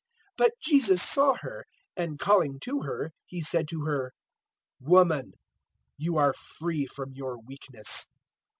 013:012 But Jesus saw her, and calling to her, He said to her, "Woman, you are free from your weakness."